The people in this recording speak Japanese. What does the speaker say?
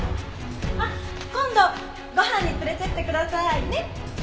あっ今度ご飯に連れてってくださいね！